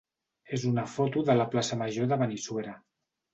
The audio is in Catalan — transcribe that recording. és una foto de la plaça major de Benissuera.